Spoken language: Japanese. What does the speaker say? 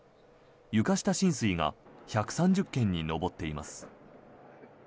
床下浸水が１３０軒に上っています。